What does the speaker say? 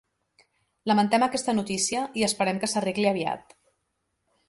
Lamentem aquesta notícia i esperem que s'arregli aviat.